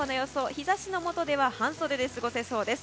日差しの下では半袖で過ごせそうです。